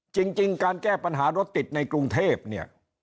จริงการแก้ปัญหารถติดในกรุงเทพเนี่ย